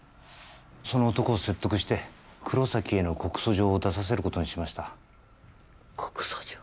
その男を説得して黒崎への告訴状を出させることにしました告訴状？